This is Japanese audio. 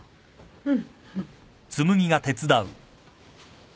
うん？